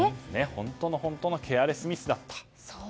本当の本当のケアレスミスだった。